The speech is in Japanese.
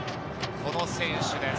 この選手です。